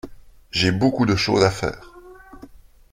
J’ai beaucoup de choses à faire.